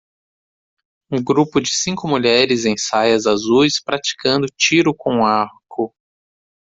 Um grupo de cinco mulheres em saias azuis praticando tiro com arco.